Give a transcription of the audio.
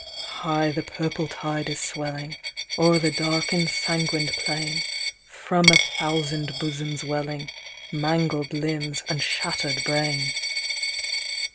fligh the purple tide is swelling, O'er the dark ensanguined plain. From a thousand bosoms welling, Mangled limbs and shattered brain